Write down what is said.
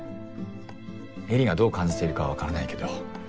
絵里がどう感じてるかはわからないけど。